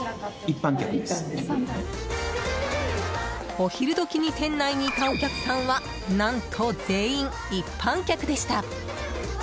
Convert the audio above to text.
お昼時に店内にいたお客さんは何と全員一般客でした。